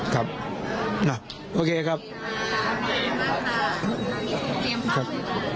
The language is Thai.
ครับน่ะโอเคครับ